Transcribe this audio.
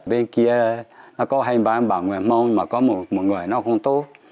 bên kia nó có hành bản bằng mong mà có một người nó không tốt